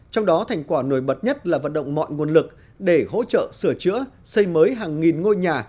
trong đó thành quả nổi bật nhất là vận động mọi nguồn lực để hỗ trợ sửa chữa xây mới hàng nghìn ngôi nhà